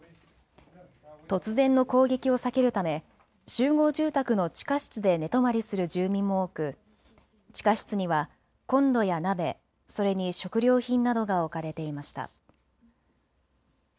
突然の攻撃を避けるため集合住宅の地下室で寝泊まりする住民も多く地下室にはこんろや鍋、それに食料品などが置かれていました。